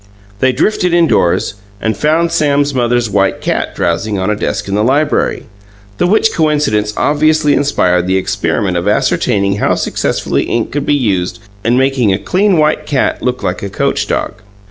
They drifted indoors, and found Sam's mother's white cat drowsing on a desk in the library, the which coincidence obviously inspired the experiment of ascertaining how successfully ink could be used in making a clean white cat look like a coach dog.